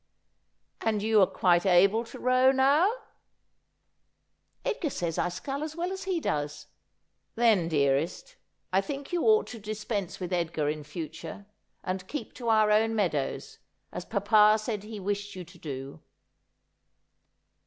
' And you are quite able to row now ?'' Edgar says I scull as well as he does.' ' Then, dearest, I thmk you ought to dispense with Edgar in future and keep to our own mtadows, as papa said he wished you to do.'